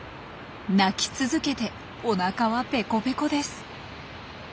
鳴き続けておなかはペコペコです。